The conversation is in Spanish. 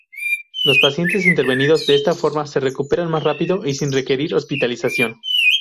Los pacientes intervenidos de esta forma se recuperan más rápido y sin requerir hospitalización.